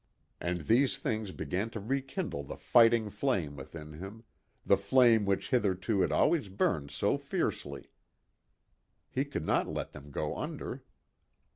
And these things began to rekindle the fighting flame within him; the flame which hitherto had always burned so fiercely. He could not let them go under.